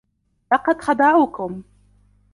لقد خدعوكم.